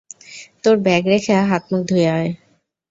তোর ব্যাগ রেখে হাত-মুখ ধুয়ে আয়।